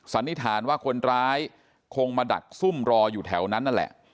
สันนิษฐานว่าคนร้ายคงมาดักซุ่มรออยู่แถวนั้นนั่นแหละ